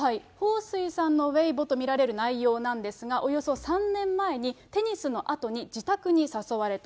彭帥さんのウェイボと見られる内容なんですが、およそ３年前に、テニスのあとに自宅に誘われた。